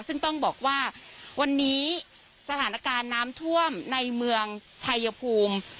ซึ่งต้องบอกว่าวันนี้สถานการณ์น้ำท่วมในเมืองชายภูมิ